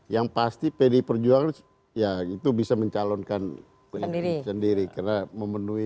yang pasti pdi perjuangan ya itu bisa mencalonkan sendiri karena memenuhi